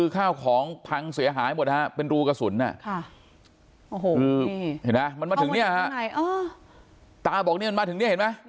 ข้าวของผังเสียหายหมดฮะเป็นรูกระสุน